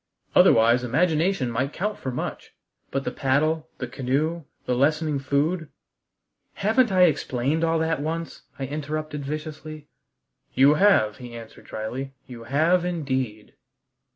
"Otherwise imagination might count for much. But the paddle, the canoe, the lessening food " "Haven't I explained all that once?" I interrupted viciously. "You have," he answered dryly; "you have indeed."